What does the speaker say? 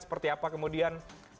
seperti apa kemudian